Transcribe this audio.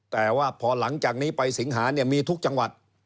แต่ว่าพอหลังจากนี้ไปสิงหาเนี่ยมีทุกจังหวัด